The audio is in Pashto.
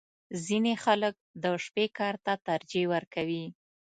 • ځینې خلک د شپې کار ته ترجیح ورکوي.